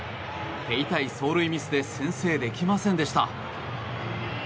手痛い走塁ミスで先制できませんでした。